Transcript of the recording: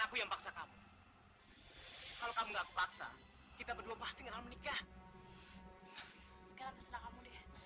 aku yang paksa kamu kalau kamu nggak ke paksa kita berdua pasti nggak menikah sekarang terserah kamu deh